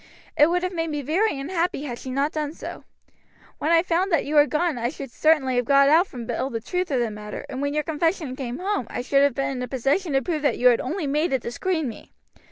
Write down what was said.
It would have made me very unhappy had she not done so. When I found that you were gone I should certainly have got out from Bill the truth of the matter, and when your confession came home I should have been in a position to prove that you had only made it to screen me.